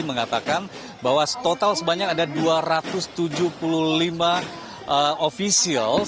mengatakan bahwa total sebanyak ada dua ratus tujuh puluh lima ofisial